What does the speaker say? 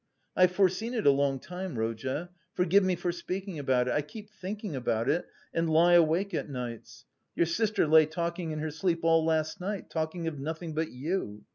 I've foreseen it a long time, Rodya. Forgive me for speaking about it. I keep thinking about it and lie awake at nights. Your sister lay talking in her sleep all last night, talking of nothing but you.